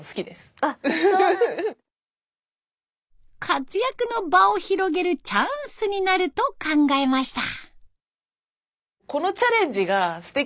活躍の場を広げるチャンスになると考えました。